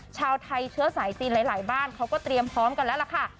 ชาวไทยเชื้อสายจีนหลายบ้านเขาก็เตรียมพร้อมกันแล้วล่ะค่ะ